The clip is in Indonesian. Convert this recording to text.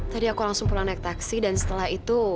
tadi aku langsung pulang naik taksi dan setelah itu